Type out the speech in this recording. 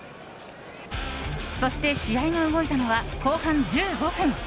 そして試合が動いたのは後半１５分。